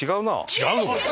違うのかい！